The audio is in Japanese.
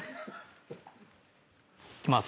いきます。